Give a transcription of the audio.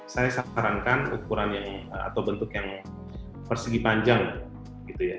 saya sarankan ukuran yang atau bentuk yang persegi panjang gitu ya